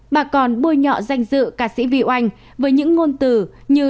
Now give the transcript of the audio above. bà còn bôi nhọ danh dự ca sĩ vịu anh với những ngôn từ như